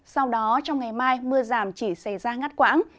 sau đó trong ngày mai mưa giảm chỉ xảy ra ngắt quãng